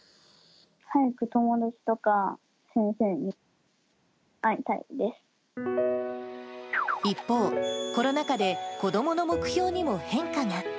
早く友達とか、先生に会いた一方、コロナ禍で子どもの目標にも変化が。